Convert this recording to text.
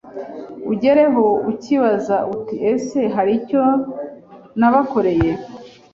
Ugeraho ukibaza uti ese haricyo nabakoreye